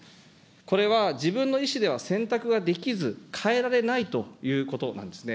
これは自分の意思では選択ができず、変えられないということなんですね。